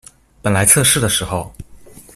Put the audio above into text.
本來測試的時候